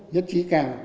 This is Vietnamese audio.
nhất trí cao